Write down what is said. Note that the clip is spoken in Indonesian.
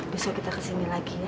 besok kita kesini lagi ya